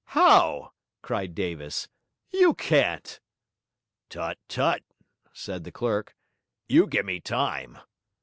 'How?' cried Davis. 'You can't!' 'Tut, tut!' said the clerk. 'You gimme time.